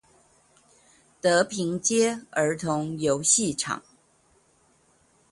德平街兒童遊戲場